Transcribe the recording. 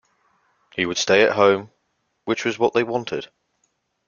He would stay at home, which was what they wanted.